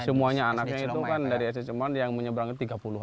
ya semuanya anaknya itu kan dari sd ciloma yang menyeberang ke tiga puluh